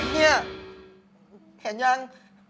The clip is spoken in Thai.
เนี่ยเห็นยัง